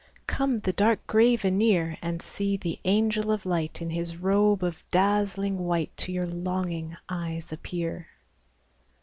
XX Come the dark grave anear And see the angel of light In his robe of dazzling white To your longing eyes appear